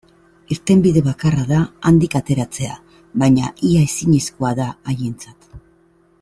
Irtenbide bakarra da handik ateratzea, baina ia ezinezkoa da haientzat.